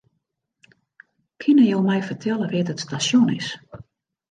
Kinne jo my fertelle wêr't it stasjon is?